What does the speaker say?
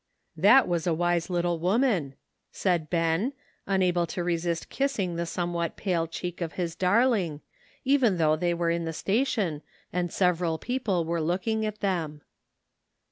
" That was a wise little woman," said Ben, unable to resist kissing the somewhat pale cheek of his darling, even though they were in the station and several people were looking at them.